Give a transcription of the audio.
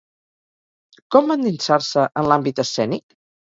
Com va endinsar-se en l'àmbit escènic?